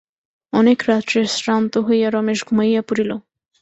অনেক রাত্রে শ্রান্ত হইয়া রমেশ ঘুমাইয়া পড়িল।